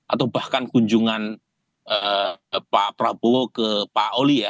atau bahkan kunjungan pak prabowo ke pak oli ya